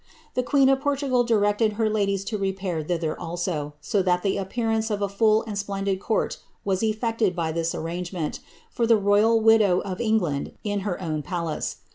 TV queen of Portugal directed her ladies to repair thither also, so that Iki appearance of a full and splendid court was eflected by this arrangemali for the royal widow of England, in her own palace.